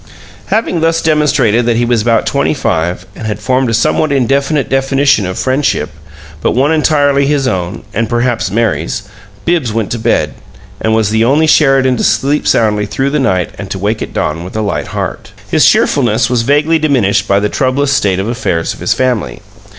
Having thus demonstrated that he was about twenty five and had formed a somewhat indefinite definition of friendship, but one entirely his own (and perhaps Mary's) Bibbs went to bed, and was the only Sheridan to sleep soundly through the night and to wake at dawn with a light heart. His cheerfulness was vaguely diminished by the troublous state of affairs of his family.